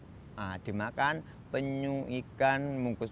nah dimakan penyu ikan mungkus